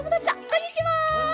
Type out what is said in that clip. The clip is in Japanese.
こんにちは！